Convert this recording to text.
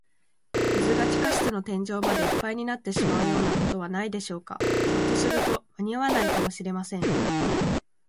水が地下室の天井までいっぱいになってしまうようなことはないでしょうか。ひょっとすると、まにあわないかもしれません。